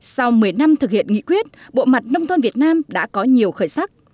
sau một mươi năm thực hiện nghị quyết bộ mặt nông thôn việt nam đã có nhiều khởi sắc